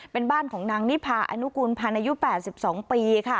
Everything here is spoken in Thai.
เป็นบ้านของนางนิพาอนุกูลพันธ์อายุ๘๒ปีค่ะ